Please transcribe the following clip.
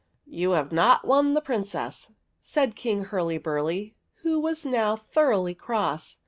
'''' You have not won the Princess," said King Hurlyburly, who was now thoroughly cross.